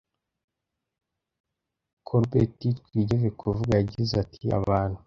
Kolbert twigeze kuvuga yagize ati Abantu